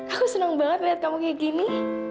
aku senang banget lihat kamu kayak gini